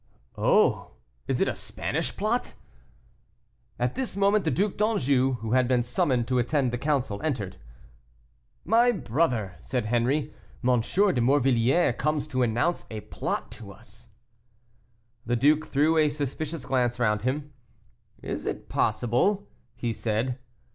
"Oh, is it a Spanish plot?" At this moment the Duc d'Anjou, who had been summoned to attend the council, entered. "My brother," said Henri, "M. de Morvilliers comes to announce a plot to us." The duke threw a suspicious glance round him. "Is it possible?" he said.